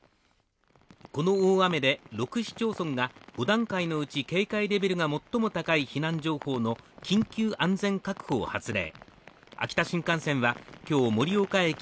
この大雨で６市町村が５段階のうち警戒レベルが最も高い避難情報の緊急安全確保を発令。